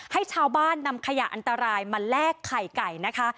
ให้ชาวบ้านนำขยะอันตรายมาแลกไข่ไก่นะคะ